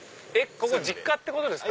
ここ実家ってことですか？